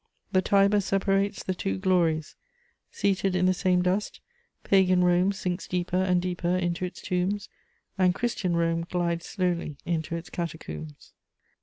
The Tiber separates the two glories: seated in the same dust, pagan Rome sinks deeper and deeper into its tombs, and Christian Rome glides slowly into its catacombs.